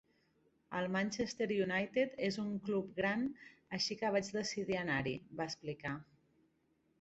"El Manchester United és un club gran, així que vaig decidir anar-hi", va explicar.